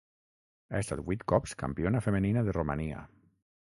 Ha estat vuit cops Campiona femenina de Romania.